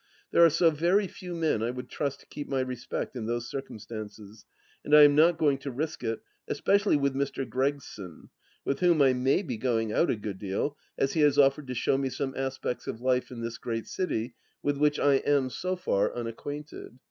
There are so very few men I would trust to keep my respect in those circumstances, and I am not going to risk it, especially with Mr. Gregson, with whom I may be going out a good deal, as he has offered to show me some aspects of life in this great city with which I am, so far, unacquainted.